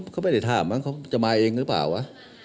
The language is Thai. เขาไม่ได้ถามมั้งเขาจะมาเองหรือเปล่าวะ